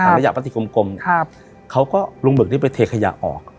ถังกระหยะปลาติกกลมกลมครับเขาก็ลงเบิกที่ไปเทขยะออก